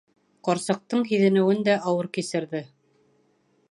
Ҡарсыҡтың һиҙенеүен дә ауыр кисерҙе.